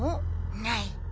ない。